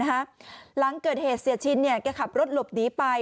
หลังเกิดเหตุเสียชินแกขับรถหลบหนีไป